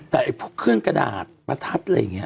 แต่พวกเครื่องกระดาษประทัดอะไรอย่างนี้